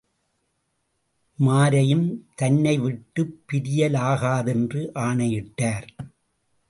உமாரையும் தன்னைவிட்டுப் பிரியலாகாதென்று ஆணையிட்டார்.